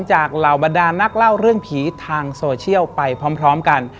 เหล่าบรรดานักเล่าเรื่องผีทางโซเชียลไปพร้อมกัน